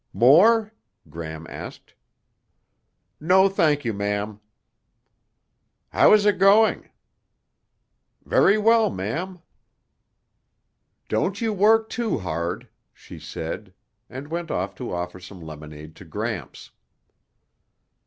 "More?" Gram said. "No thank you, ma'am." "How is it going?" "Very well, ma'am." "Don't you work too hard," she said, and went off to offer some lemonade to Gramps.